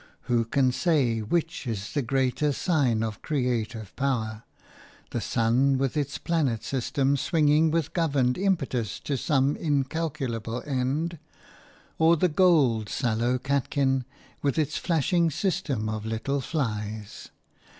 Who can say which is the greater sign of creative power, the sun with its planet system swinging with governed impetus to some incalculable end, or the gold sallow catkin with its flashing system of little flies?